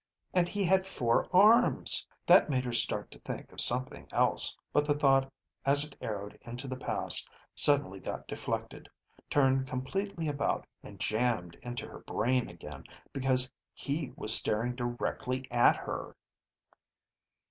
And he had four arms. That made her start to think of something else, but the thought as it arrowed into the past, suddenly got deflected, turned completely about, and jammed into her brain again, because he was staring directly at her.